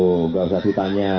enggak usah ditanya